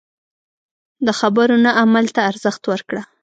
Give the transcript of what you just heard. د خبرو نه عمل ته ارزښت ورکړه.